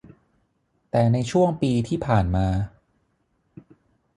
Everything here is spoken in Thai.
แต่ในช่วงปีที่ผ่านมา